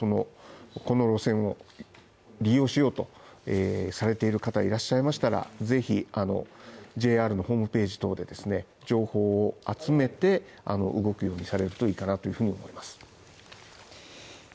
この路線を利用しようとされている方いらっしゃいましたらぜひＪＲのホームページ等でですね、情報を集めて動くようにされるといいかなというふうに思います。